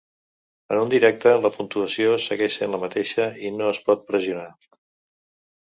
En un "directe", la puntuació segueix sent la mateixa i no es pot pressionar.